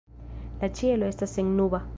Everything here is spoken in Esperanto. La ĉielo estas sennuba.